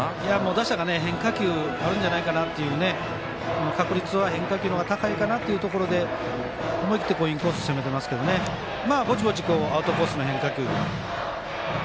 打者が変化球あるんじゃないかなという確率は変化球の方が高いかな？というところで思い切ってインコース攻めてますけどぼちぼち、アウトコースの変化球。